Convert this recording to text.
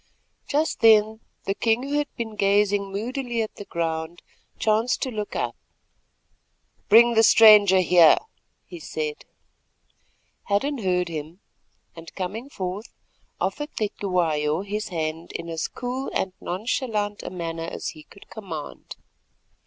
Just then the king, who had been gazing moodily at the ground, chanced to look up. "Bring the stranger here," he said. Hadden heard him, and coming forward offered Cetywayo his hand in as cool and nonchalant a manner as he could command.